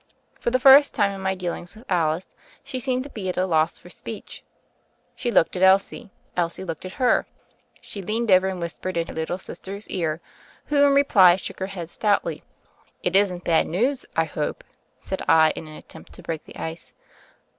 For the first time in my dealings with Alice, she seemed to be at a loss for speech. She looked at Elsie. Elsie looked at her. She leaned over and whispered in her little sister's ear, who in reply shook her head stoutly. 45 46 THE FAIRY OF THE SNOWS ^'It isn't bad news, I hope," said I in an at* tempt to break the ice.